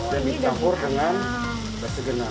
dan ditampur dengan basa genar